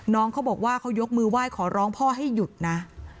น้องเขาบอกว่าเขายกมือไหว้ขอร้องพ่อให้หยุดนะ